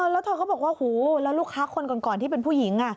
แล้วเธอก็บอกว่าหูแล้วลูกค้าคนก่อนที่เป็นผู้หญิง